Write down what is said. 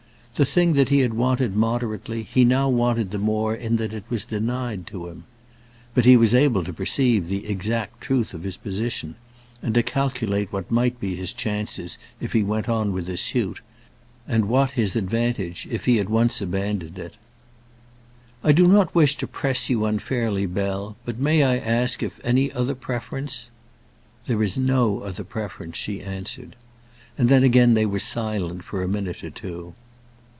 The thing that he had wanted moderately, he now wanted the more in that it was denied to him. But he was able to perceive the exact truth of his position, and to calculate what might be his chances if he went on with his suit, and what his advantage if he at once abandoned it. "I do not wish to press you unfairly, Bell; but may I ask if any other preference " "There is no other preference," she answered. And then again they were silent for a minute or two.